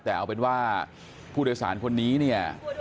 แต่เอาเป็นว่าผู้โดยสารคนนี้เนี่ย